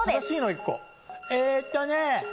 えっとね。